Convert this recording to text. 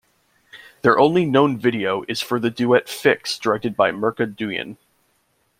Their only known video is for the duet "Fix", directed by Mirka Duyn.